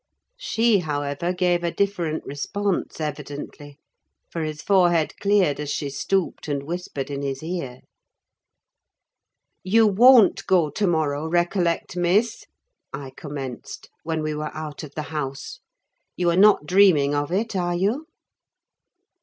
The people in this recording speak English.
She, however, gave a different response evidently, for his forehead cleared as she stooped and whispered in his ear. "You won't go to morrow, recollect, Miss!" I commenced, when we were out of the house. "You are not dreaming of it, are you?"